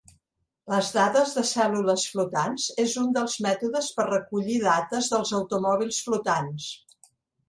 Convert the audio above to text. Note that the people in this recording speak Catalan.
Les dades de cèl·lules flotants és un dels mètodes per recollir dates dels automòbils flotants.